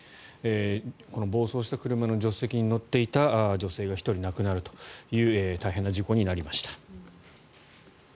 暴走した車の助手席に乗っていた女性が１人亡くなるという大変な事故になりました。